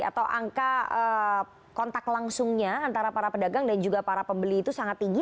atau angka kontak langsungnya antara para pedagang dan juga para pembeli itu sangat tinggi